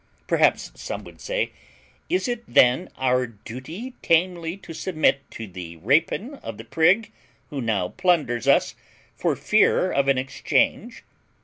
Perhaps some would say, Is it then our duty tamely to submit to the rapine of the prig who now plunders us for fear of an exchange?